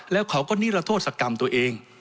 แล้วเขาก็นิรโทษกรรมตัวเอง